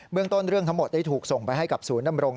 เรื่องต้นเรื่องทั้งหมดได้ถูกส่งไปให้กับศูนย์ดำรง